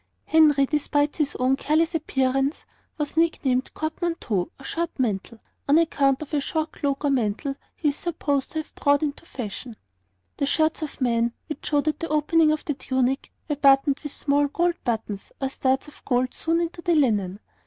Henry, despite his own careless appearance, was nicknamed Court Manteau, or Short Mantle, on account of a short cloak or mantle he is supposed to have brought into fashion. The shirts of the men, which showed at the opening of the tunic, were buttoned with small gold buttons or studs of gold sewn into the linen.